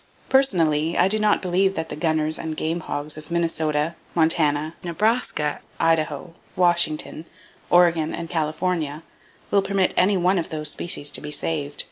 Personally, I do not believe that the gunners and game hogs of Minnesota, Montana, Nebraska, Idaho, Washington, Oregon and California will permit any one of those species to be saved.